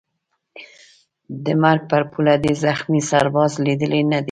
د مرګ پر پوله دي زخمي سرباز لیدلی نه دی